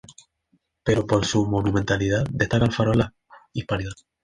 Pero por su monumentalidad destaca el farol "la Hispanidad".